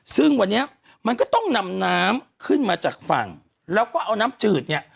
ซึ่งวันนี้มันก็ต้องนำน้ำขึ้นมาจากฝั่งแล้วก็เอาน้ำจืดเนี่ย